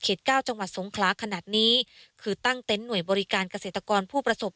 เก้าจังหวัดสงคลาขนาดนี้คือตั้งเต็นต์หน่วยบริการเกษตรกรผู้ประสบ